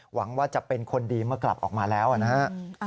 หวังว่าจะเป็นคนดีมากราบออกมาแล้วนะครับ